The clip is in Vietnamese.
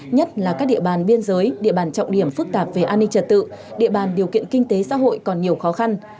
nhất là các địa bàn biên giới địa bàn trọng điểm phức tạp về an ninh trật tự địa bàn điều kiện kinh tế xã hội còn nhiều khó khăn